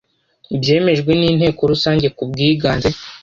Byemejwe n inteko rusange ku bwiganze